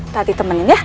tati temenin ya